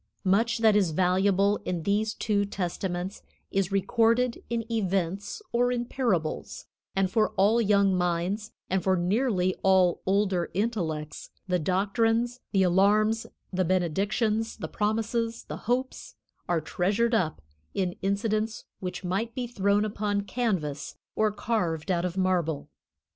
Much that is valuable in these two testaments is recorded in events or in parables, and for all young minds and for nearly all older intellects, the doctrines, the alarms, the benedictions, the promises, the hopes are treasured up in incidents which might be thrown upon canvas or carved out of marble.